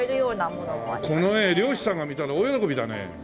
この画漁師さんが見たら大喜びだね。